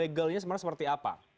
legalnya sebenarnya seperti apa